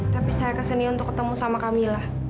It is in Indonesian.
tapi saya kesini untuk ketemu sama kamilah